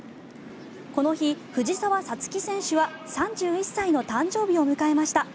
この日、藤澤五月選手は３１歳の誕生日を迎えました。